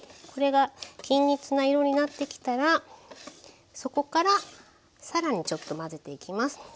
これが均一な色になってきたらそこからさらにちょっと混ぜていきます。